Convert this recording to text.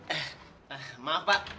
eh maaf pak